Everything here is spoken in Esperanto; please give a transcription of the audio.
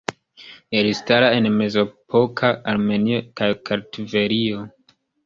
Elstara en mezepoka Armenio kaj Kartvelio.